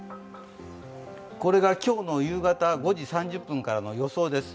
これが今日の夕方５時３０分からの予想です。